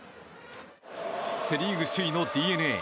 セ・リーグ首位のＤｅＮＡ。